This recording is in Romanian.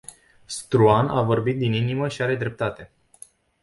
Struan a vorbit din inimă și are dreptate.